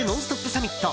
サミット。